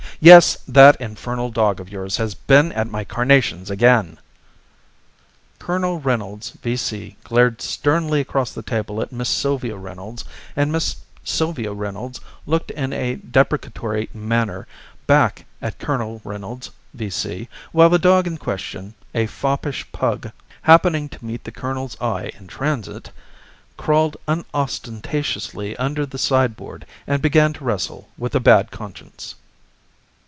"Yes, that infernal dog of yours has been at my carnations again!" Colonel Reynolds, V.C., glared sternly across the table at Miss Sylvia Reynolds, and Miss Sylvia Reynolds looked in a deprecatory manner back at Colonel Reynolds, V.C.; while the dog in question a foppish pug happening to meet the colonel's eye in transit, crawled unostentatiously under the sideboard, and began to wrestle with a bad conscience.